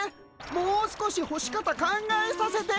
もう少しほし方考えさせて。